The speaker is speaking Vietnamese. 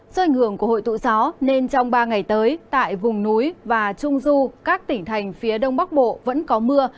do ảnh hưởng của hội tụ gió nên trong ba ngày tới tại vùng núi và trung du các tỉnh thành phía đông bắc bộ vẫn có mưa